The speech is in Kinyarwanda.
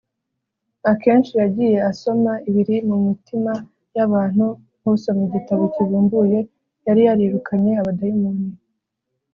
akenshi yagiye asoma ibiri mu mitima y’abantu nk’usoma igitabo kibumbuye; yari yarirukanye abadayimoni,